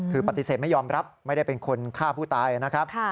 คือปฏิเสธไม่ยอมรับไม่ได้เป็นคนฆ่าผู้ตายนะครับ